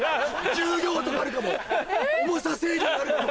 重量とかあるかも重さ制限あるかも。